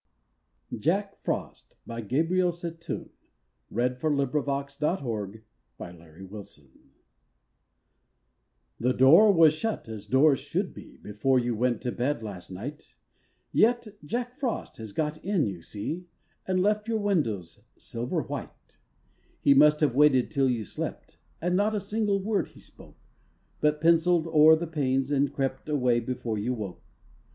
You can tell me many, if you will, before another year goes by. JACK FROST The door was shut as doors should be Before you went to bed last night; Yet Jack Frost has got in, you see, And left your windows silver white. He must have waited till you slept, And not a single word he spoke, But penciled o'er the panes and crept Away before you woke.